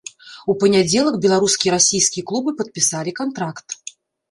У панядзелак беларускі і расійскі клубы падпісалі кантракт.